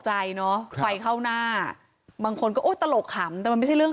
ใจเนอะไฟเข้าหน้าบางคนก็โอ้ยตลกขำแต่มันไม่ใช่เรื่อง